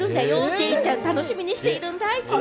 デイちゃん楽しみしているんだ、いつも。